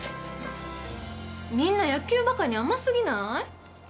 みんな野球バカに甘すぎない？